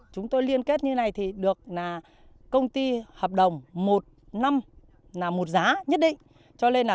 chúng tôi tập trung cao về vấn đề lưng